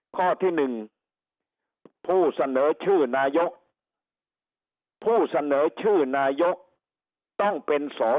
ข้อที่๑ผู้เสนอชื่อนายกผู้เสนอชื่อนายกต้องเป็นสอสอ